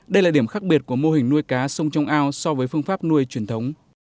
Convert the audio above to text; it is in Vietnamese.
đây là điểm khác biệt của mô hình nuôi cá sông trong ao so với phương pháp nuôi truyền thống